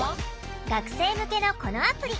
学生向けのこのアプリ。